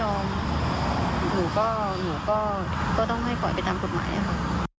หนูก็หนูก็ต้องให้ปล่อยไปตามกฎหมายค่ะ